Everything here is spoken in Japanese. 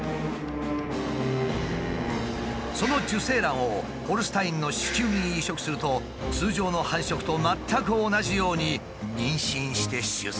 その受精卵をホルスタインの子宮に移植すると通常の繁殖と全く同じように妊娠して出産に至るというのだ。